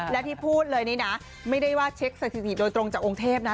และที่พูดเลยนี่นะไม่ได้ว่าเช็คสถิติโดยตรงจากองค์เทพนะ